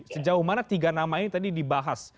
sejauh mana tiga nama ini tadi dibahas